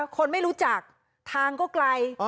คนไม่รู้จักทางก็ไกล